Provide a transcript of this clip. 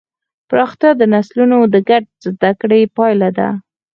پراختیا د نسلونو د ګډې زدهکړې پایله ده.